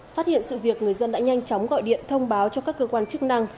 phát hiện sự việc người dân đã nhanh chóng gọi điện thông báo cho các cơ quan chức năng